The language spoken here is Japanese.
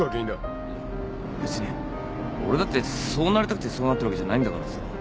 いや別に俺だってそうなりたくてそうなってるわけじゃないんだからさ。